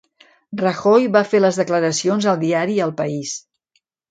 Rajoy va fer les declaracions al diari El País